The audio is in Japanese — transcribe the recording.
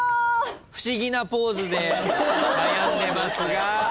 不思議なポーズで悩んでますが。